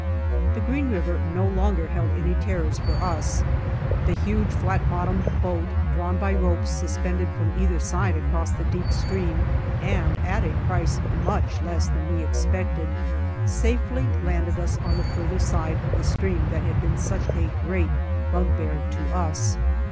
The Green river no longer held any terrors for us. The huge fiat bottomed boat, drawn by ropes suspended from either side across the deep stream and at a price much less than we expected, safely landed us on the farther side of the stream that had been such a great bug bear to us.